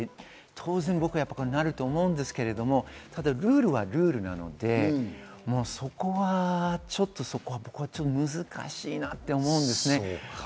当然、僕はなると思うんですけれども、ルールはルールなので、ちょっとそこは難しいなって思うんですよね。